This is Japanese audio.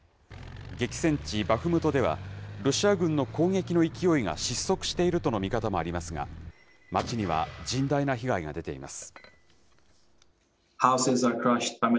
激戦地バフムトでは、ロシア軍の攻撃の勢いが失速しているとの見方もありますが、街には甚大な被害が出ています。